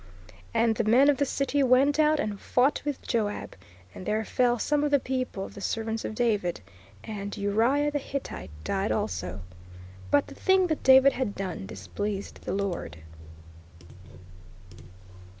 "And the men of the city went out and fought with Joab; and there fell some of the people of the servants of David; and Uriah the Hittite died also.... But the thing that David had done displeased the Lord.